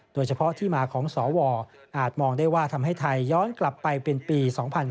โดยเฉพาะที่มาของสวอาจมองได้ว่าทำให้ไทยย้อนกลับไปเป็นปี๒๕๕๙